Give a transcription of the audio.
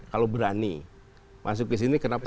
kalau berani masuk ke sini kenapa